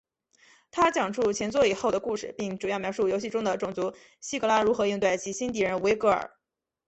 它讲述前作以后的故事并主要描述游戏中的种族希格拉如何应对其新敌人维格尔。